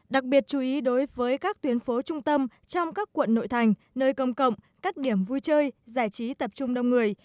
đặc biệt chú ý đối với các tuyến phố trung tâm trong các quận nội thành nơi công cộng các điểm vui chơi giải trí tập trung đông người